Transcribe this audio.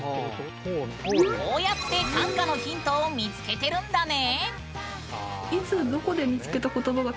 こうやって短歌のヒントを見つけてるんだね。